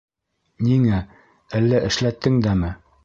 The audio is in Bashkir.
Ниңә, әллә... эшләттең дәме?!